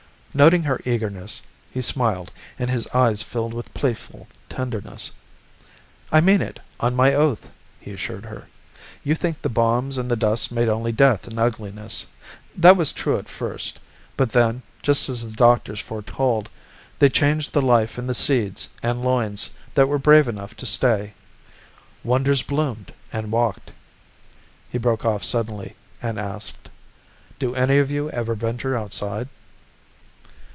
Noting her eagerness, he smiled and his eyes filled with playful tenderness. "I mean it, on my oath," he assured her. "You think the bombs and the dust made only death and ugliness. That was true at first. But then, just as the doctors foretold, they changed the life in the seeds and loins that were brave enough to stay. Wonders bloomed and walked." He broke off suddenly and asked, "Do any of you ever venture outside?"